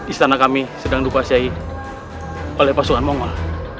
istana kami sedang dipasyai oleh pasukan mongol